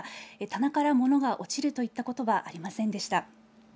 棚から物が落ちるといったことはありませんでした。